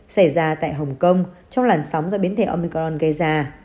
xảy ra tại hồng kông trong làn sóng do biến thể omicron gây ra